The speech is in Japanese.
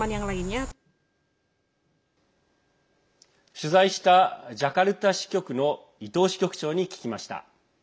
取材したジャカルタ支局の伊藤支局長に聞きました。